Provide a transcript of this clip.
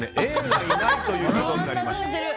Ａがいないということになりました。